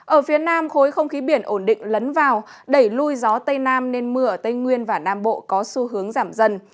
ở phía nam khối không khí biển ổn định lấn vào đẩy lui gió tây nam nên mưa ở tây nguyên và nam bộ có xu hướng giảm dần